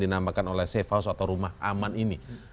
dinamakan oleh safe house atau rumah aman ini